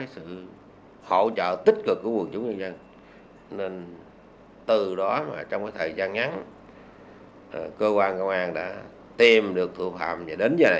sự chỉ đạo quyết liệt